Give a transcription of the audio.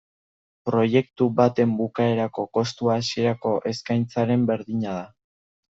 Proiektu baten bukaerako kostua hasierako eskaintzaren berdina da?